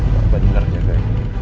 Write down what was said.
gak bener jaganya